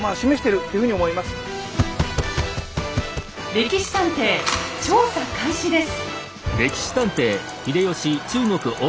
「歴史探偵」調査開始です！